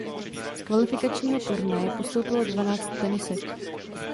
Z kvalifikačního turnaje postoupilo dvanáct tenistek.